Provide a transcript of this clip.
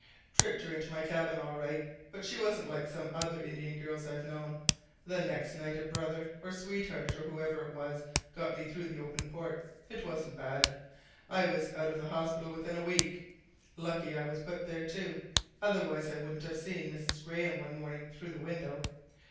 Tricked her into my cabin all right, but she wasn't like some other Indian girls I've known. The next night a brother, or sweetheart, or whoever it was got me through the open port. It wasn't bad. I was out of the hospital within a week. Lucky I was put there, too. Otherwise I wouldn't have seen Mrs. Graham one morning—through the window.